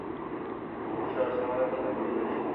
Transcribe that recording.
তিনি স্বরাজ্য সংগ্রামের কারণে বন্দী ছিলেন।